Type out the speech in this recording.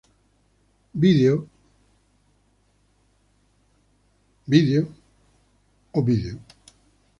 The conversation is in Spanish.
Video, Google Vídeo o YouTube.